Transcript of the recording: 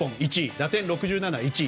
打点６７、１位。